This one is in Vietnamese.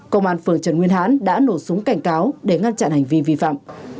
công an phường trần nguyên hán đã nổ súng cảnh cáo để ngăn chặn hành vi vi phạm